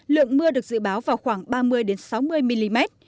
lượng mưa được dự báo vào khoảng ba mươi sáu mươi mm